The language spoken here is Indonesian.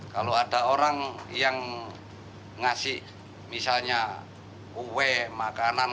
kalau ada orang yang ngasih misalnya uwe makanan